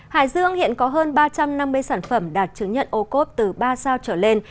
hải dương hiện có hơn ba trăm năm mươi sản phẩm đạt chứng nhận ô cốp từ ba sao trở lên